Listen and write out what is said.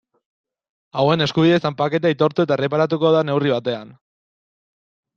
Hauen eskubide zanpaketa aitortu eta erreparatuko da neurri batean.